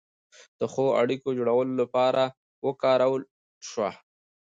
د ښو اړیکو جوړولو لپاره وکارول شوه.